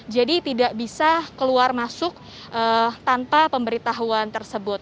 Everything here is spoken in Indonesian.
jadi tidak bisa keluar masuk tanpa pemberitahuan tersebut